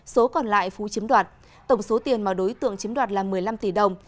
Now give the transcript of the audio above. số còn lại phú chiếm đoạt tổng số tiền mà đối tượng chiếm đoạt là một mươi năm tỷ đồng